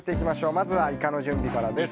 まずはイカの準備からです。